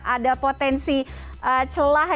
ada potensi celah